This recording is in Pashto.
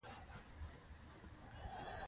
د سوداګرۍ اسانتیاوې باید برابرې شي.